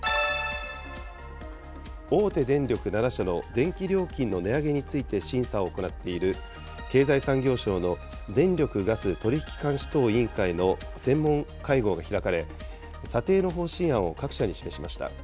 大手電力７社の電気料金の値上げについて審査を行っている経済産業省の電力・ガス取引監視等委員会の専門会合が開かれ、査定の方針案を各社に示しました。